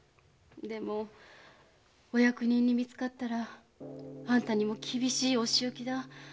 でもお役人に見つかったらあんたにも厳しいお仕置きだ。